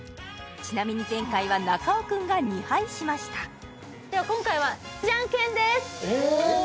ちなみに前回は中尾君が２敗しましたでは今回はおお！